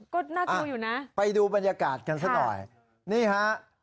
ก็น่ากลัวอยู่นะไปดูบรรยากาศกันซะหน่อยนี่ฮะ